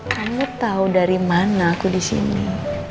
kamu tau dari mana aku disini